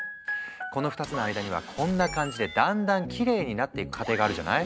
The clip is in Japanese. この２つの間にはこんな感じでだんだんきれいになっていく過程があるじゃない？